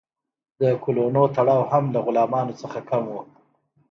د کولونو تړاو هم له غلامانو څخه کم و.